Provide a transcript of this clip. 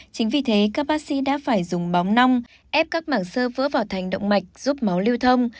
chính vì thế các bác sĩ đã phải dùng bóng nong ép các mảng sơ vỡ vào thành động mạch giúp máu lưu thông